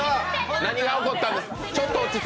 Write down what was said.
何が起こったんですか？